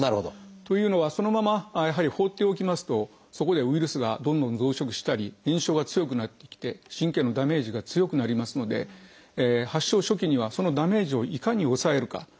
というのはそのままやはり放っておきますとそこでウイルスがどんどん増殖したり炎症が強くなってきて神経のダメージが強くなりますので発症初期にはそのダメージをいかに抑えるかということが大切です。